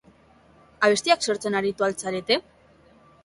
Abestiak sortzen aritu al zarete?